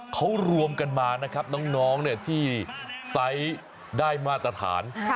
เขารวมกันมานะครับน้องที่ไซส์ได้มาตรฐาน